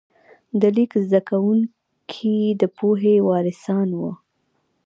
د لیک زده کوونکي د پوهې وارثان وو.